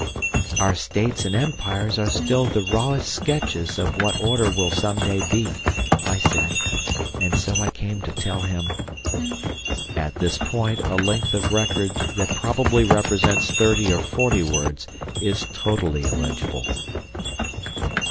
"'Our States and Empires are still the rawest sketches of what order will some day be,' I said, and so I came to tell him...." [At this point a length of record that probably represents thirty or forty words is totally illegible.